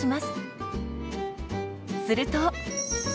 すると。